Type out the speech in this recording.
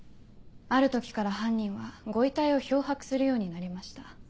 ある時から犯人はご遺体を漂白するようになりました。